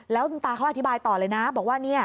แล้วคุณตาเขาอธิบายต่อเลยนะบอกว่า